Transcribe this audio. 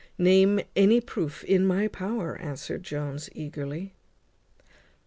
"Name any proof in my power," answered Jones eagerly.